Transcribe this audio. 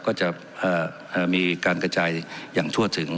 ก็จะมีการกระจายอย่างทั่วถึง